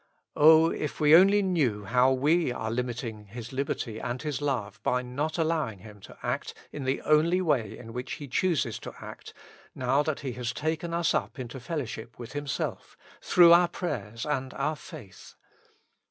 O if we only knew how we are limiting His liberty and His love by not allowing Him to act in the only way in which He chooses to act, now that He has taken us up into fellowship with Himself — through our prayers and our faith.